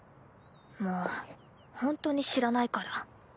もうほんとに知らないから。